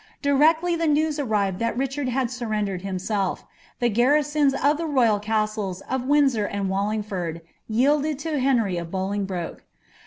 Directly the news arrivetl thai Riehurd had surrendered himself, the cBrrisons of the royal easilcs »f Windsor and Wallingford yielded lo Henry of Bolingbrok«.